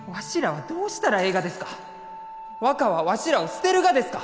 若はわしらを捨てるがですか？